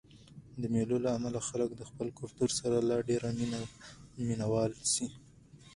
د مېلو له امله خلک د خپل کلتور سره لا ډېر مینه وال سي.